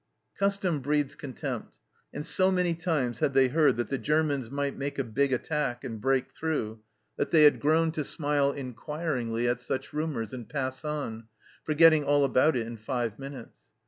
Custom breeds contempt, and so many times had they heard that the Germans might make a big attack and break through that they had grown WAITING FOR ATTACK 201 to smile inquiringly at such rumours and pass on, forgetting all about it in five minutes.